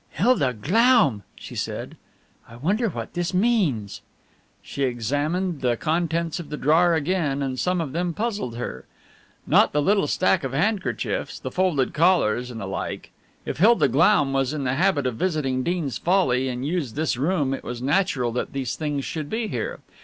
"Hilda Glaum!" she said. "I wonder what this means!" She examined the contents of the drawer again and some of them puzzled her. Not the little stack of handkerchiefs, the folded collars and the like. If Hilda Glaum was in the habit of visiting Deans Folly and used this room it was natural that these things should be here.